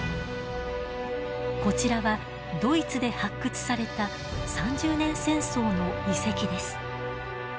こちらはドイツで発掘された三十年戦争の遺跡です。